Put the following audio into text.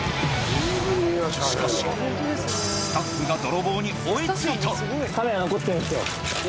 しかし、スタッフが泥棒に追いついた。